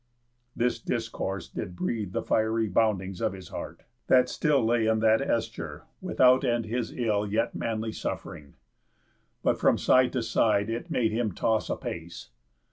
This discourse did breathe The fiery boundings of his heart, that still Lay in that æsture, without end his ill Yet manly suff'ring. But from side to side It made him toss apace.